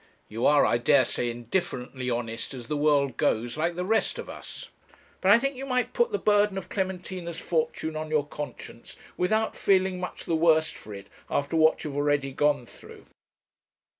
you are, I dare say, indifferently honest as the world goes, like the rest of us. But I think you might put the burden of Clementina's fortune on your conscience without feeling much the worse for it after what you have already gone through.'